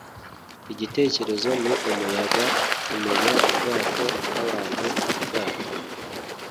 igitekerezo ni umuyaga, kumenya ubwato, n'abantu ubwato